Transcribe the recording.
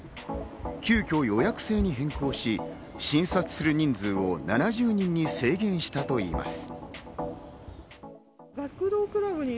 急きょ予約制に変更し、診察する人数を７０人に制限したといいます。